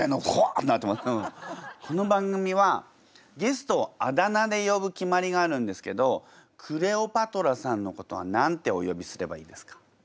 この番組はゲストをあだ名で呼ぶ決まりがあるんですけどクレオパトラさんのことは何てお呼びすればいいですか？